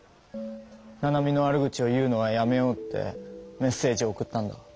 「ナナミの悪口を言うのはやめよう」ってメッセージを送ったんだ。